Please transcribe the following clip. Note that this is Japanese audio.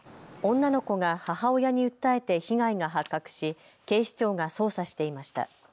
女の子が母親に訴えて被害が発覚し警視庁が捜査していました。